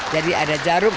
jadi ada jarum